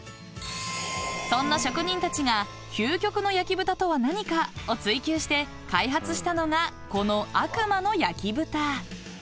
［そんな職人たちが究極の焼豚とは何かを追求して開発したのがこの悪魔ノ焼豚］